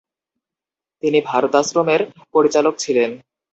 তিনি ভারতাশ্রমের পরিচালক ছিলেন।